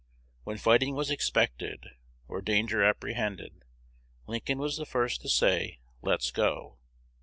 When fighting was expected, or danger apprehended, Lincoln was the first to say, 'Let's go.'